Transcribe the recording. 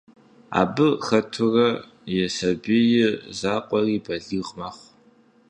Абы хэтурэ и сабий закъуэри балигъ мэхъу.